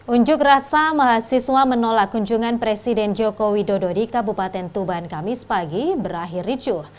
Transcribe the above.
unjuk rasa mahasiswa menolak kunjungan presiden joko widodo di kabupaten tuban kamis pagi berakhir ricuh